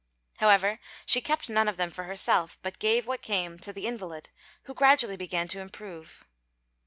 However, she kept none of them for herself, but gave what came to the invalid, who gradually began to improve.